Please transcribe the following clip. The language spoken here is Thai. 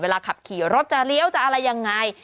ขับขี่รถจะเลี้ยวจะอะไรยังไง